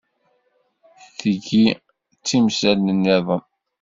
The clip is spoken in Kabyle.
Tigi d timsal-nniḍen.